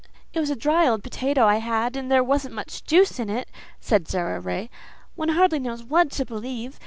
"It was a dry old potato I had, and there wasn't much juice in it," said Sara Ray. "One hardly knows what to believe.